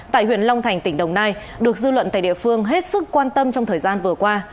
tại huyện long thành tỉnh đồng nai được dư luận tại địa phương hết sức quan tâm trong thời gian vừa qua